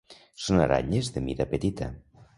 Són aranyes de mida petita.